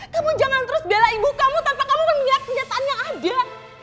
kamu jangan terus bela ibu kamu tanpa kamu memilih kenyataan yang ada